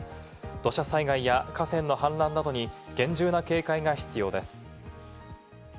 土砂災害や河川の氾濫などに厳重な警戒が必要です。